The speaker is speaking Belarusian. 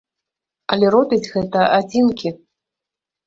Але робяць гэта адзінкі.